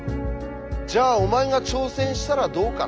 じゃあお前が挑戦したらどうかって？